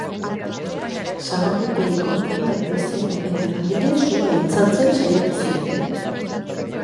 Sagardotegiko hainbat bezero eta langile sua itzaltzen saiatu ziren.